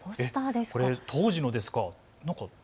これ、当時のですか。